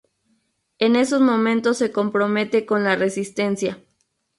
En esos momentos se compromete con la Resistencia.